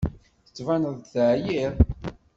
Tettbaneḍ-d teɛyiḍ.